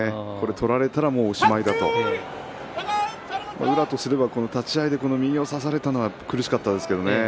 取られたらばおしまいだと宇良とすれば立ち合いで右を差されたのが苦しかったですね。